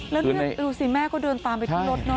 แล้วนี่ดูสิแม่ก็เดินตามไปที่รถเนอ